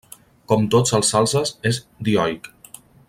Com tots els salzes és dioic.